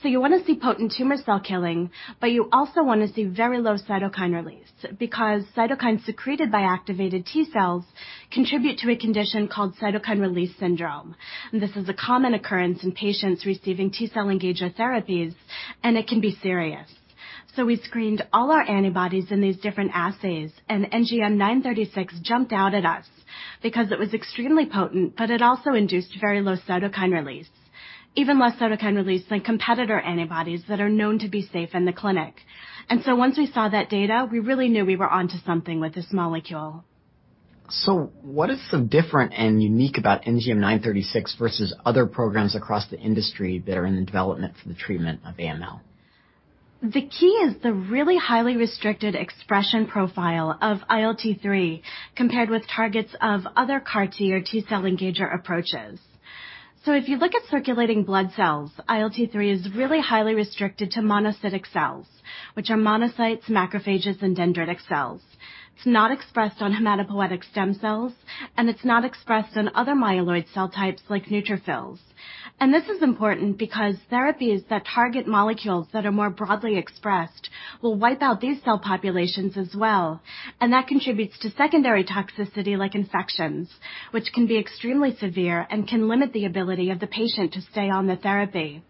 You wanna see potent tumor cell killing, but you also wanna see very low cytokine release because cytokines secreted by activated T-cells contribute to a condition called cytokine release syndrome. This is a common occurrence in patients receiving T-cell engager therapies, and it can be serious. We screened all our antibodies in these different assays, and NGM936 jumped out at us because it was extremely potent, but it also induced very low cytokine release. Even lower cytokine release than competitor antibodies that are known to be safe in the clinic. Once we saw that data, we really knew we were onto something with this molecule. What is so different and unique about NGM936 versus other programs across the industry that are in development for the treatment of AML? The key is the really highly restricted expression profile of ILT3 compared with targets of other CAR-T or T-cell engager approaches. If you look at circulating blood cells, ILT3 is really highly restricted to monocytic cells, which are monocytes, macrophages, and dendritic cells. It's not expressed on hematopoietic stem cells, and it's not expressed on other myeloid cell types like neutrophils. This is important because therapies that target molecules that are more broadly expressed will wipe out these cell populations as well, and that contributes to secondary toxicity like infections, which can be extremely severe and can limit the ability of the patient to stay on the therapy.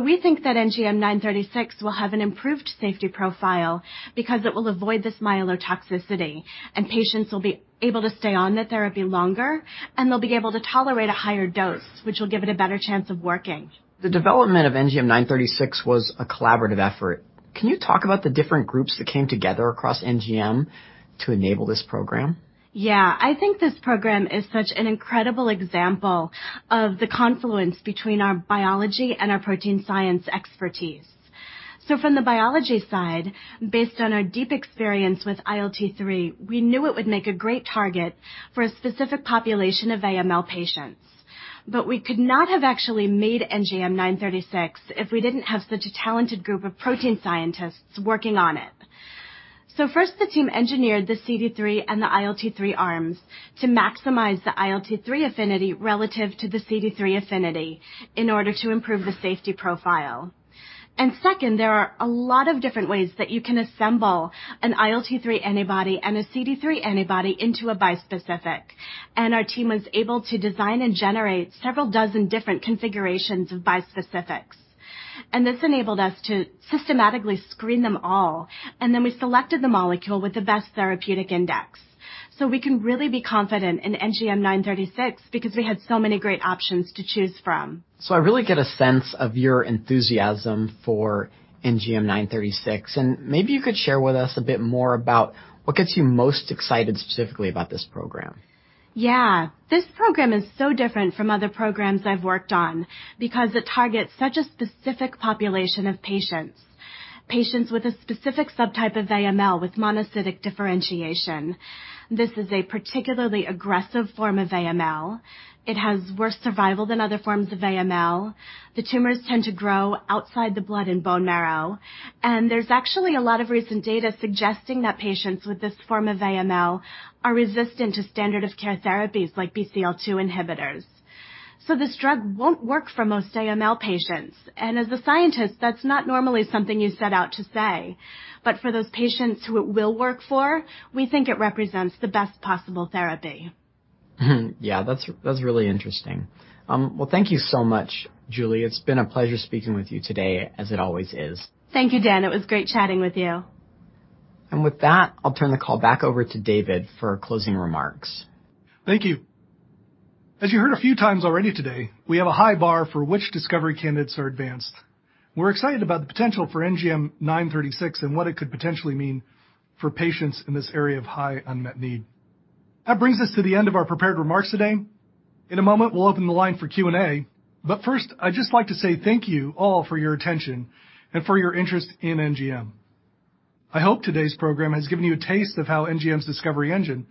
We think that NGM936 will have an improved safety profile because it will avoid this myelotoxicity, and patients will be able to stay on the therapy longer, and they'll be able to tolerate a higher dose, which will give it a better chance of working. The development of NGM936 was a collaborative effort. Can you talk about the different groups that came together across NGM to enable this program? Yeah. I think this program is such an incredible example of the confluence between our biology and our protein science expertise. From the biology side, based on our deep experience with ILT3, we knew it would make a great target for a specific population of AML patients. We could not have actually made NGM936 if we didn't have such a talented group of protein scientists working on it. First, the team engineered the CD3 and the ILT3 arms to maximize the ILT3 affinity relative to the CD3 affinity in order to improve the safety profile. Second, there are a lot of different ways that you can assemble an ILT3 antibody and a CD3 antibody into a bispecific. Our team was able to design and generate several dozen different configurations of bispecifics. This enabled us to systematically screen them all, and then we selected the molecule with the best therapeutic index. We can really be confident in NGM936 because we had so many great options to choose from. I really get a sense of your enthusiasm for NGM936, and maybe you could share with us a bit more about what gets you most excited specifically about this program. Yeah. This program is so different from other programs I've worked on because it targets such a specific population of patients with a specific subtype of AML with monocytic differentiation. This is a particularly aggressive form of AML. It has worse survival than other forms of AML. The tumors tend to grow outside the blood and bone marrow. There's actually a lot of recent data suggesting that patients with this form of AML are resistant to standard of care therapies like BCL-2 inhibitors. This drug won't work for most AML patients, and as a scientist, that's not normally something you set out to say, but for those patients who it will work for, we think it represents the best possible therapy. Yeah, that's really interesting. Well, thank you so much, Julie. It's been a pleasure speaking with you today, as it always is. Thank you, Dan. It was great chatting with you. With that, I'll turn the call back over to David for closing remarks. Thank you. As you heard a few times already today, we have a high bar for which discovery candidates are advanced. We're excited about the potential for NGM936 and what it could potentially mean for patients in this area of high unmet need. That brings us to the end of our prepared remarks today. In a moment, we'll open the line for Q&A, but first, I'd just like to say thank you all for your attention and for your interest in NGM. I hope today's program has given you a taste of how NGM's discovery engine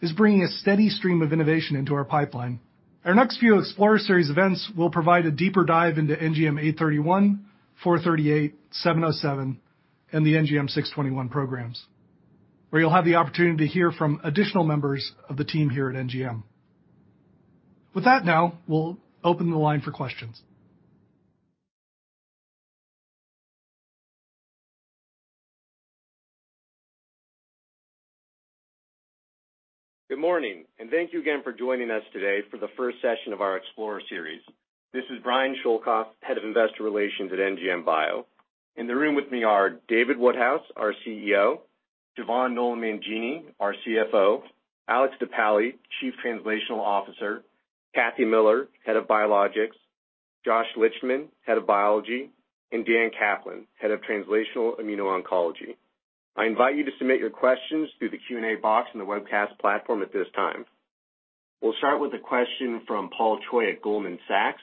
is bringing a steady stream of innovation into our pipeline. Our next few Explorer Series events will provide a deeper dive into NGM831, NGM438, NGM707, and the NGM621 programs, where you'll have the opportunity to hear from additional members of the team here at NGM. With that, now we'll open the line for questions. Good morning, and thank you again for joining us today for the first session of our Explorer Series. This is Brian Schoelkopf, Head of Investor Relations at NGM Bio. In the room with me are David Woodhouse, our CEO, Siobhan Nolan Mangini, our CFO, Alex DePaoli, Chief Translational Officer, Kathy Miller, Head of Biologics, Josh Lichtman, Head of Biology, and Dan Kaplan, Head of Translational Immuno-oncology. I invite you to submit your questions through the Q&A box in the webcast platform at this time. We'll start with a question from Paul Choi at Goldman Sachs.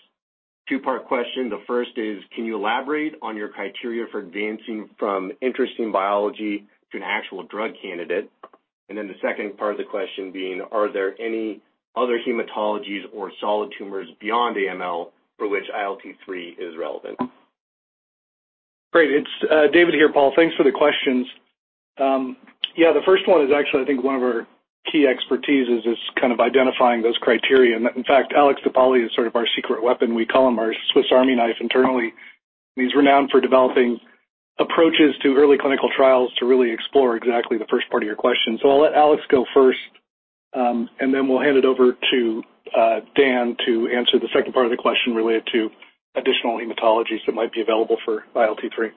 Two-part question. The first is, can you elaborate on your criteria for advancing from interesting biology to an actual drug candidate? The second part of the question being, are there any other hematologies or solid tumors beyond AML for which ILT3 is relevant? It's David here. Paul, thanks for the questions. Yeah, the first one is actually, I think one of our key expertise is kind of identifying those criteria. In fact, Alex DePaoli is sort of our secret weapon. We call him our Swiss Army knife internally. He's renowned for developing approaches to early clinical trials to really explore exactly the first part of your question. I'll let Alex go first, and then we'll hand it over to Dan to answer the second part of the question related to additional hematologies that might be available for ILT3.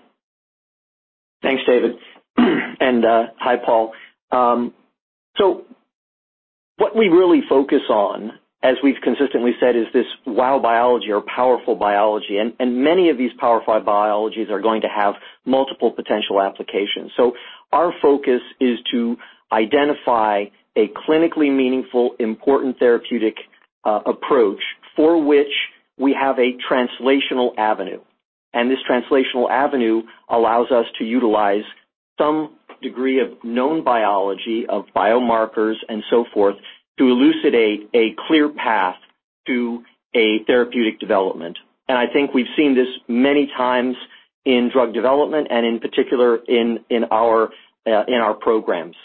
Thanks, David. Hi, Paul. What we really focus on, as we've consistently said, is this wow biology or powerful biology. Many of these powerful biologies are going to have multiple potential applications. Our focus is to identify a clinically meaningful, important therapeutic approach for which we have a translational avenue. This translational avenue allows us to utilize some degree of known biology of biomarkers and so forth to elucidate a clear path to a therapeutic development. I think we've seen this many times in drug development and in particular in our programs.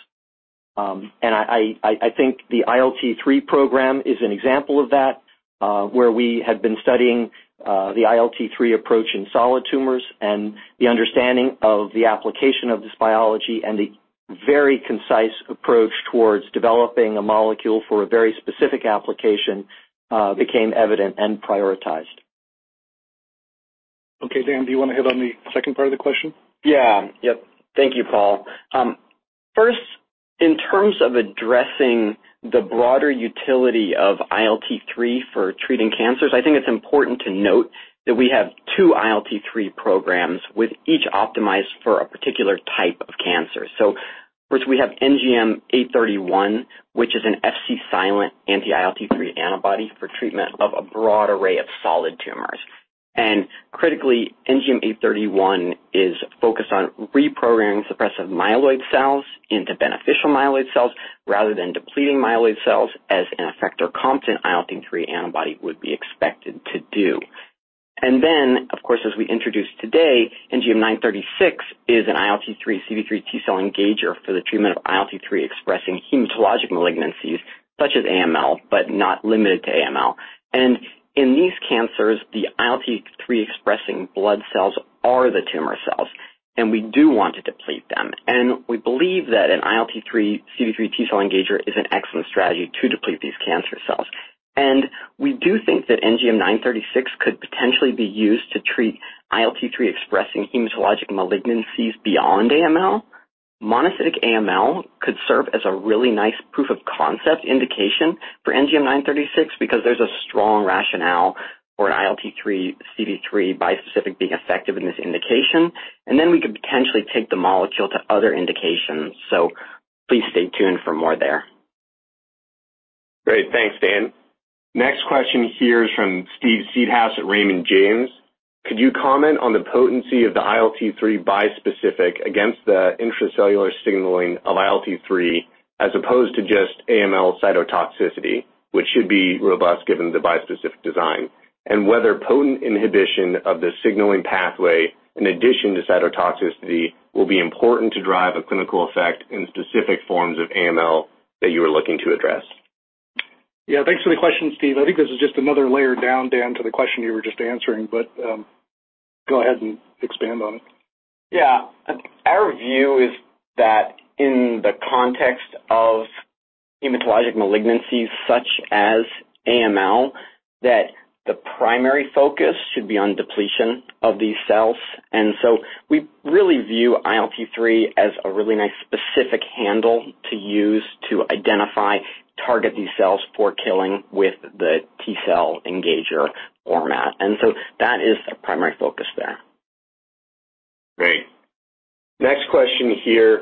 I think the ILT3 program is an example of that, where we have been studying the ILT3 approach in solid tumors and the understanding of the application of this biology and the very concise approach towards developing a molecule for a very specific application, became evident and prioritized. Okay. Dan, do you wanna hit on the second part of the question? Yeah. Yep. Thank you, Paul. First, in terms of addressing the broader utility of ILT3 for treating cancers, I think it's important to note that we have two ILT3 programs with each optimized for a particular type of cancer. First we have NGM831, which is an Fc-silent anti-ILT3 antibody for treatment of a broad array of solid tumors. Critically, NGM831 is focused on reprogramming suppressive myeloid cells into beneficial myeloid cells rather than depleting myeloid cells as an effector-competent ILT3 antibody would be expected to do. Then, of course, as we introduced today, NGM936 is an ILT3 CD3 T-cell engager for the treatment of ILT3-expressing hematologic malignancies such as AML, but not limited to AML. In these cancers, the ILT3-expressing blood cells are the tumor cells, and we do want to deplete them. We believe that an ILT3 CD3 T-cell engager is an excellent strategy to deplete these cancer cells. We do think that NGM936 could potentially be used to treat ILT3-expressing hematologic malignancies beyond AML. Monocytic AML could serve as a really nice proof of concept indication for NGM936 because there's a strong rationale for an ILT3 CD3 bispecific being effective in this indication, and then we could potentially take the molecule to other indications. Please stay tuned for more there. Great. Thanks, Dan. Next question here is from Steve Seedhouse at Raymond James. Could you comment on the potency of the ILT3 bispecific against the intracellular signaling of ILT3 as opposed to just AML cytotoxicity, which should be robust given the bispecific design? Whether potent inhibition of the signaling pathway in addition to cytotoxicity will be important to drive a clinical effect in specific forms of AML that you are looking to address. Yeah. Thanks for the question, Steve. I think this is just another layer down, Dan, to the question you were just answering, but, go ahead and expand on it. Yeah. Our view is that in the context of hematologic malignancies such as AML, that the primary focus should be on depletion of these cells. We really view ILT3 as a really nice specific handle to use to identify, target these cells for killing with the T-cell engager format. That is our primary focus there. Great. Next question here.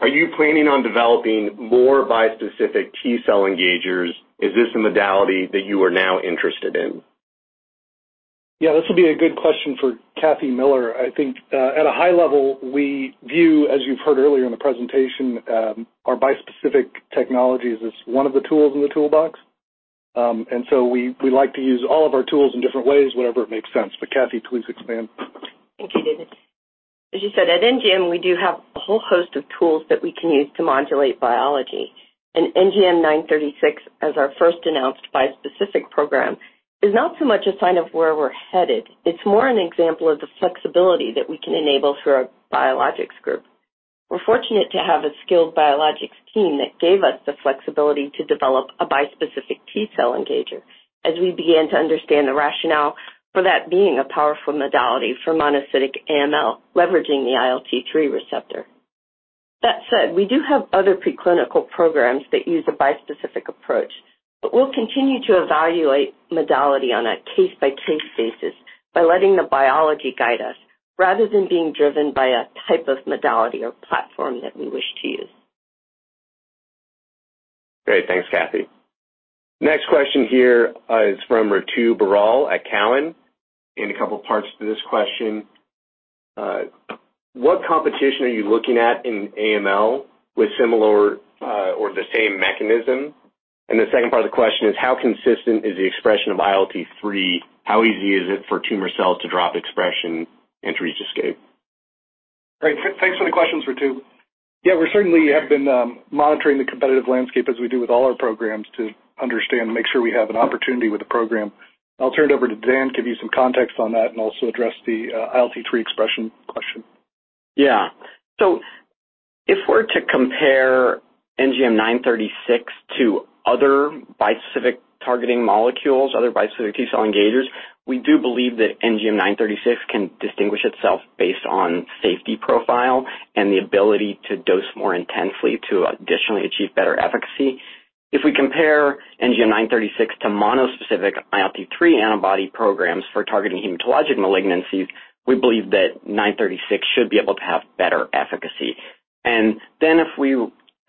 Are you planning on developing more bispecific T-cell engagers? Is this a modality that you are now interested in? Yeah, this will be a good question for Kathy Miller. I think at a high level, we view as you've heard earlier in the presentation, our bispecific technologies as one of the tools in the toolbox. We like to use all of our tools in different ways, whatever it makes sense. Kathy, please expand. Thank you, David. As you said, at NGM, we do have a whole host of tools that we can use to modulate biology. NGM936, as our first announced bispecific program, is not so much a sign of where we're headed. It's more an example of the flexibility that we can enable through our biologics group. We're fortunate to have a skilled biologics team that gave us the flexibility to develop a bispecific T-cell engager as we began to understand the rationale for that being a powerful modality for monocytic AML, leveraging the ILT3 receptor. That said, we do have other preclinical programs that use a bispecific approach, but we'll continue to evaluate modality on a case-by-case basis by letting the biology guide us, rather than being driven by a type of modality or platform that we wish to use. Great. Thanks, Kathy. Next question here is from Ritu Baral at Cowen. A couple parts to this question. What competition are you looking at in AML with similar or the same mechanism? The second part of the question is, how consistent is the expression of ILT3? How easy is it for tumor cells to drop expression and to reach escape? Great. Thanks for the questions, Ritu. Yeah, we certainly have been monitoring the competitive landscape as we do with all our programs to understand and make sure we have an opportunity with the program. I'll turn it over to Dan to give you some context on that and also address the ILT3 expression question. Yeah. If we're to compare NGM936 to other bispecific targeting molecules, other bispecific T-cell engagers, we do believe that NGM936 can distinguish itself based on safety profile and the ability to dose more intensely to additionally achieve better efficacy. If we compare NGM936 to monospecific ILT3 antibody programs for targeting hematologic malignancies, we believe that 936 should be able to have better efficacy. If we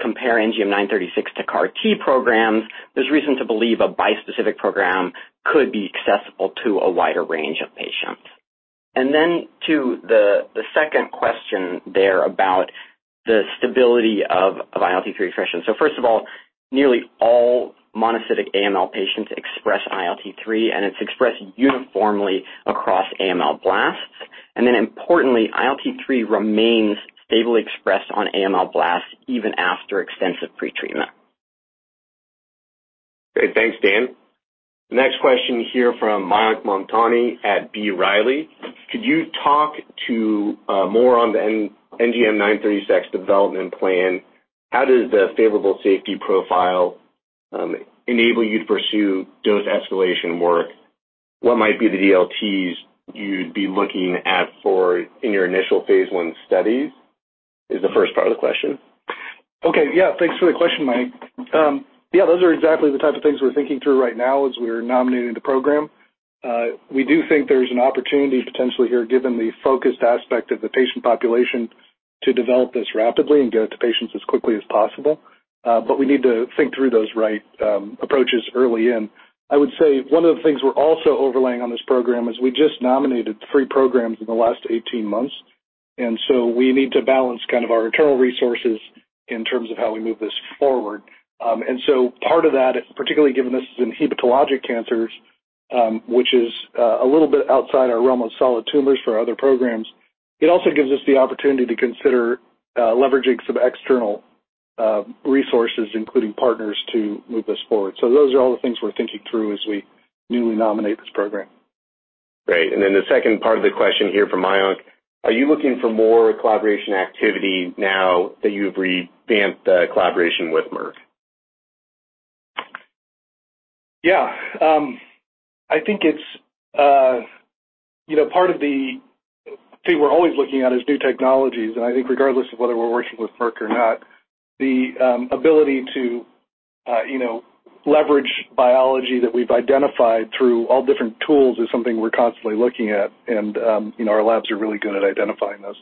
compare NGM936 to CAR-T programs, there's reason to believe a bispecific program could be accessible to a wider range of patients. To the second question there about the stability of ILT3 expression. First of all, nearly all monocytic AML patients express ILT3, and it's expressed uniformly across AML blasts. Importantly, ILT3 remains stably expressed on AML blasts even after extensive pretreatment. Great. Thanks, Dan. The next question here from Mayank Mamtani at B. Riley. Could you talk to more on the NGM936 development plan? How does the favorable safety profile enable you to pursue dose escalation work? What might be the DLTs you'd be looking at for in your initial phase I studies? Is the first part of the question. Okay. Yeah, thanks for the question, Mayank. Those are exactly the type of things we're thinking through right now as we're nominating the program. We do think there's an opportunity potentially here, given the focused aspect of the patient population, to develop this rapidly and get it to patients as quickly as possible. We need to think through those right approaches early in. I would say one of the things we're also overlaying on this program is we just nominated three programs in the last 18 months, and so we need to balance kind of our internal resources in terms of how we move this forward. Part of that, particularly given this is in hepatologic cancers, which is a little bit outside our realm of solid tumors for our other programs, it also gives us the opportunity to consider leveraging some external resources, including partners, to move this forward. Those are all the things we're thinking through as we newly nominate this program. Great. The second part of the question here from Mayank. Are you looking for more collaboration activity now that you've revamped the collaboration with Merck? Yeah. I think it's you know, part of the thing we're always looking at is new technologies, and I think regardless of whether we're working with Merck or not, the ability to leverage biology that we've identified through all different tools is something we're constantly looking at. You know, our labs are really good at identifying those.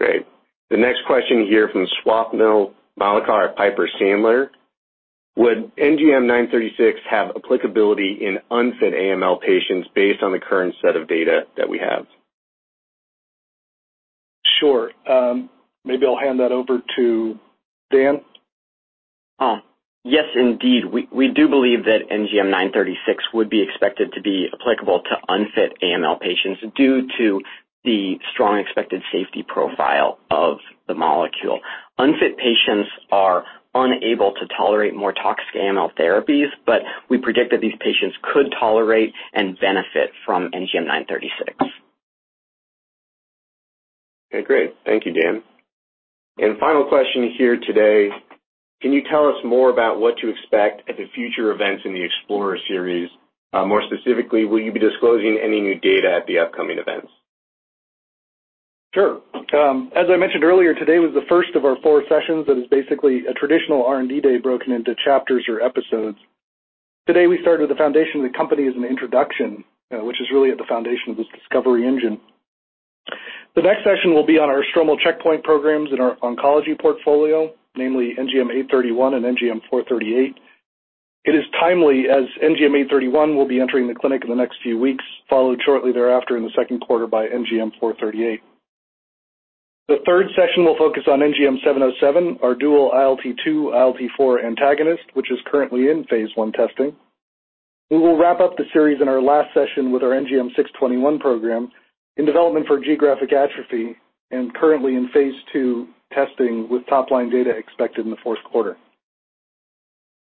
Great. The next question here from Swapnil Malekar at Piper Sandler. Would NGM936 have applicability in unfit AML patients based on the current set of data that we have? Sure. Maybe I'll hand that over to Dan. Oh, yes, indeed. We do believe that NGM936 would be expected to be applicable to unfit AML patients due to the strong expected safety profile of the molecule. Unfit patients are unable to tolerate more toxic AML therapies, but we predict that these patients could tolerate and benefit from NGM936. Okay, great. Thank you, Dan. Final question here today. Can you tell us more about what to expect at the future events in the Explorer Series? More specifically, will you be disclosing any new data at the upcoming events? Sure. As I mentioned earlier, today was the first of our four sessions that is basically a traditional R&D day broken into chapters or episodes. Today, we started with the foundation of the company as an introduction, which is really at the foundation of this discovery engine. The next session will be on our stromal checkpoint programs in our oncology portfolio, namely NGM831 and NGM438. It is timely as NGM831 will be entering the clinic in the next few weeks, followed shortly thereafter in the second quarter by NGM438. The third session will focus on NGM707, our dual ILT2/ILT4 antagonist, which is currently in phase I testing. We will wrap up the series in our last session with our NGM621 program in development for geographic atrophy and currently in Phase II testing, with top-line data expected in the fourth quarter.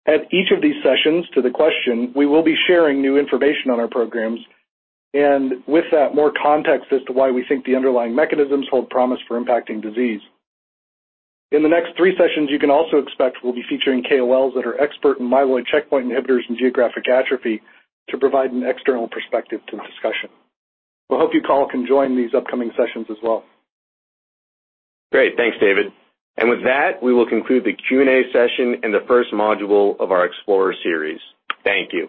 At each of these sessions to the question, we will be sharing new information on our programs and with that, more context as to why we think the underlying mechanisms hold promise for impacting disease. In the next three sessions, you can also expect we'll be featuring KOLs that are expert in myeloid checkpoint inhibitors and geographic atrophy to provide an external perspective to the discussion. We hope you all can join these upcoming sessions as well. Great. Thanks, David. With that, we will conclude the Q&A session in the first module of our Explorer Series. Thank you.